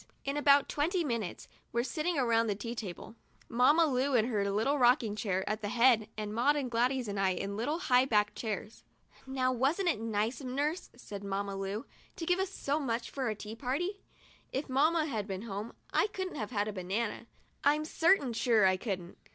In about twenty minutes, we were sitting around the tea table, Mamma Lu in her little rocking chair at the head, and Maud and Gladys and I in little high backed chairs. 30 TUESDAY— A TEA PARTY AND ITS RESULTS "Now, wasn't it nice of nurse,*' said Mamma Lu, " to give us so much for our tea party ? If mamma had been home, I couldn't have had a banana; I'm certain sure I couldn't.